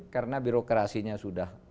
karena birokrasinya sudah